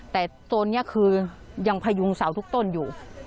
แต่โซนนี้คือยังพยุงเสาทุกต้นอยู่